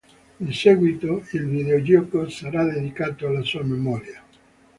In seguito, il videogioco sarà dedicato alla sua memoria.